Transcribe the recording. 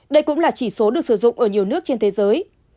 đây cũng là chỉ số được sử dụng ở nhiều nước trên thế giới